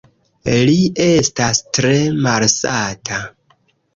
Li estas tre malsata.